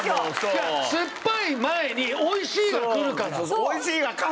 いやすっぱい前に美味しいが来るから。